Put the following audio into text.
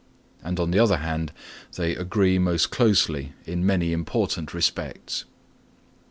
And, on the other hand, they agree most closely in many important respects.